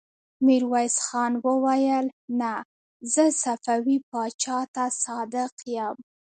ميرويس خان وويل: نه! زه صفوي پاچا ته صادق يم.